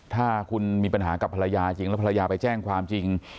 ถ้าคุณมีปัญหากับภรรยาจริงแล้วภรรยาไปแจ้งความจริง